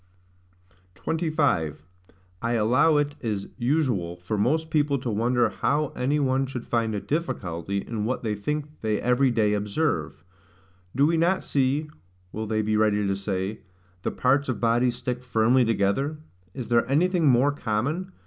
25. I allow it is usual for most people to wonder how any one should find a difficulty in what they think they every day observe. Do we not see (will they be ready to say) the parts of bodies stick firmly together? Is there anything more common?